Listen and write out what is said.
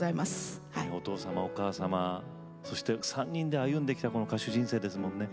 お父様お母様そして３人で歩んできた歌手人生ですものね。